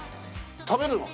食べるの？